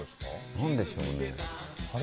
何でしょうね。